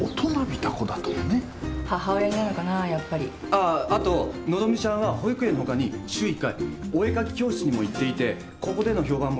あああと和希ちゃんは保育園のほかに週１回お絵描き教室にも行っていてここでの評判もいいです。